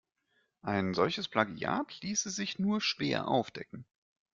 Ein solches Plagiat ließe sich nur schwer aufdecken.